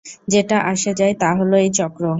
যেটা আসে যায়, তা হল এই চক্র।